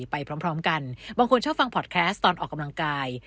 ไปพร้อมกันบางคนชอบฟังพอดแคสต์ตอนออกกำลังกาย